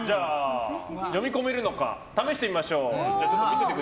読み込めるのか試してみましょう。